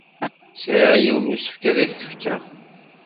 Sɛiɣ yiwen n usefk ad ak-t-fkeɣ.